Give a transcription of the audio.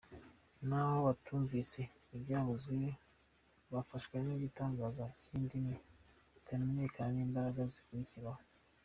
Naho batumvise ibyavuzwe, bafashwa n’igitangaza cy’indimi zitamenyekana, n’imbaraga zikurikiraho.